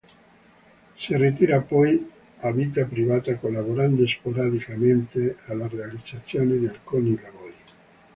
Si ritira poi a vita privata collaborando sporadicamente alla realizzazione di alcuni lavori.